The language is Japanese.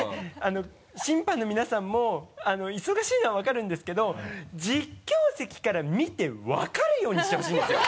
審判の皆さんも忙しいのは分かるんですけど実況席から見て分かるようにしてほしいんですよ。